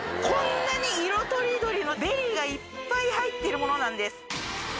こんなに色とりどりのベリーがいっぱい入ってるものなんです。